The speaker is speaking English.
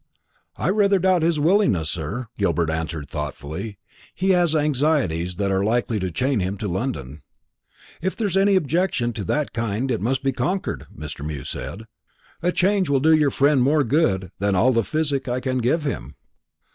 "I rather doubt his willingness to stir," Gilbert answered, thoughtfully. "He has anxieties that are likely to chain him to London." "If there is any objection of that kind it must be conquered," Mr. Mew said. "A change will do your friend more good than all the physic I can give him."